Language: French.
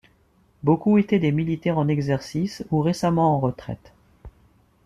Beaucoup étaient des militaires en exercice, ou récemment en retraite.